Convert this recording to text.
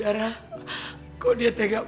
dara dia nangis